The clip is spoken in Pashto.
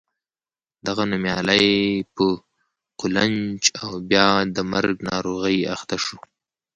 دغه نومیالی په قولنج او بیا د مرګو ناروغۍ اخته شو.